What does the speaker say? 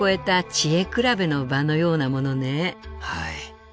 はい。